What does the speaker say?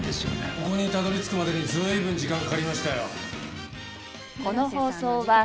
ここにたどり着くまでに随分時間がかかりましたよ。